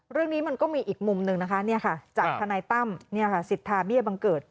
เรื่องนี้มันก็มีอีกมุมหนึ่งนะคะจากทนายตั้มสิทธาเบี้ยบังเกิด